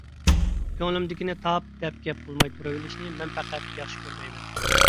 كۆڭلۈمدىكىنى تاپ، دەپ گەپ قىلماي تۇرۇۋېلىشنى مەن پەقەت ياخشى كۆرمەيمەن.